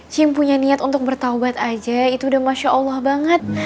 cim punya niat untuk bertaubat aja itu udah masya allah banget